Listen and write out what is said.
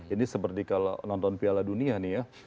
ini seperti kalau nonton piala dunia nih ya